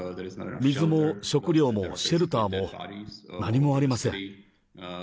水も食料もシェルターも、何もありません。